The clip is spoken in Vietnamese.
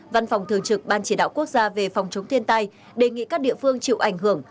văn phòng thường trực ban chỉ đạo quốc gia về phòng chống thiên tai đề nghị các địa phương chịu ảnh hưởng